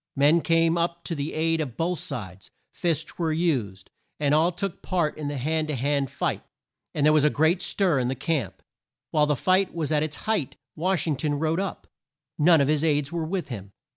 Men came up to the aid of both sides. Fists were used, and all took part in the hand to hand fight, and there was a great stir in the camp. While the fight was at its height Wash ing ton rode up. None of his aides were with him.